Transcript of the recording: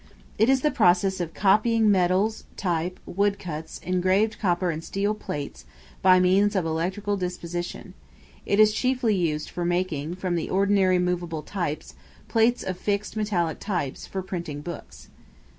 It is the process of copying medals, type, wood cuts, engraved copper and steel plates, etc., by means of electrical deposition. It is chiefly used for making, from the ordinary movable types, plates of fixed metallic types, for printing books.